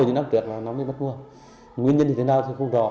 nguyên nhân thì thế nào thì không rõ